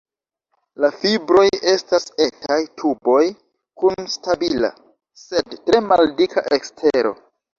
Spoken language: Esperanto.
La fibroj estas etaj tuboj kun stabila, sed tre maldika ekstero.